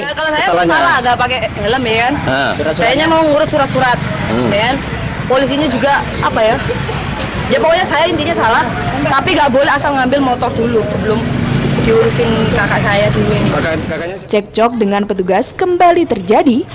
tercekcok dengan petugas kembali terjadi